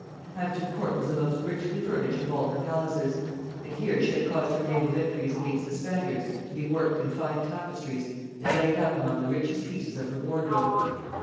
Hampton court was the most richly furnished of all her palaces; and here she had caused her naval victories against the Spaniards to be worked in fine tapestries and laid up among the richest pieces of her wardrobe....